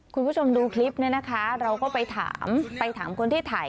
คุณผู้ชมดูคลิปเนี่ยนะคะเราก็ไปถามไปถามคนที่ถ่าย